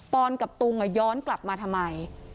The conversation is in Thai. อนกับตุงย้อนกลับมาทำไม